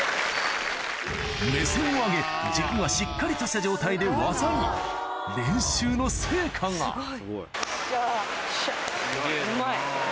目線を上げ軸がしっかりとした状態で技に練習の成果がよっしゃ。